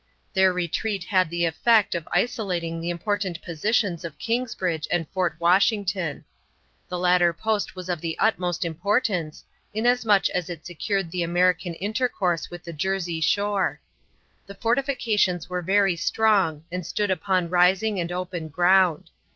Their retreat had the effect of isolating the important positions of Kingsbridge and Fort Washington. The latter post was of the utmost importance, inasmuch as it secured the American intercourse with the Jersey shore. The fortifications were very strong and stood upon rising and open ground.